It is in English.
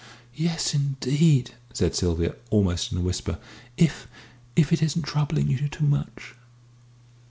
"Yes, indeed!" said Sylvia, almost in a whisper, "if if it isn't troubling you too much!"